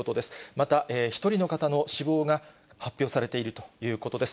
また、１人の方の死亡が発表されているということです。